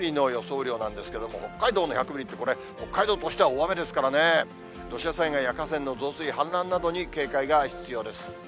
雨量なんですけど、北海道の１００ミリって、これ、北海道としては大雨ですからね、土砂災害や河川の増水、氾濫などに警戒が必要です。